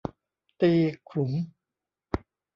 ตีขลุม